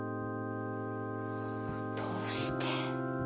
どうして。